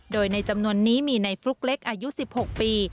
โดยในจำนวนนี้มีในฟลุ๊กเล็กอายุ๑๖ปี